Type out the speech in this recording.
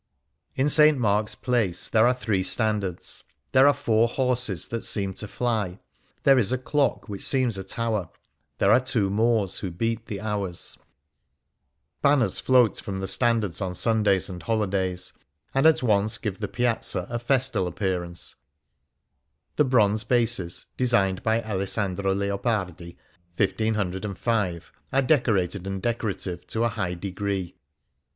(In St. Mark's Place there are three standards, there are four horses that seem to fly, there is a clock which seems a tower^ there are two Moors who beat the hours.) 55 Things Seen in Venice Banners float from the standards on Sundays and holidays, and at once give the Piazza a festal appearance : the bronze bases, designed by Alessandro Leopardi (1505), are decorated, and decorative, to a high degree.